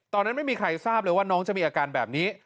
ตอนนั้นไม่มีใครทราบเลยว่าน้องจะมีอาการแบบนี้